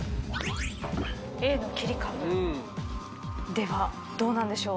ではどうなんでしょう。